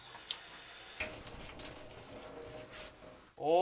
お！